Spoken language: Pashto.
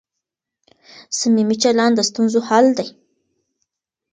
صميمي چلند د ستونزو حل دی.